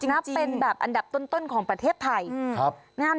นับเป็นแบบอันดับต้นของประเทศไทย